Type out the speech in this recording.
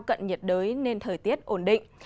cận nhiệt đới nên thời tiết ổn định